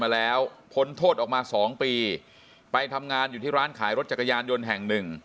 มาแล้วพ้นโทษออกมาสองปีไปทำงานอยู่ที่ร้านขายรถจักรยานยนต์แห่งหนึ่ง